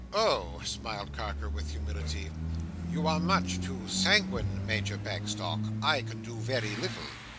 "Oh!" smiled Carker, with humility, "you are much too sanguine, Major Bagstock. I can do very little.